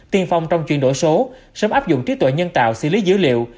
tiên phong trong chuyển đổi số sớm áp dụng trí tuệ nhân tạo xử lý dữ liệu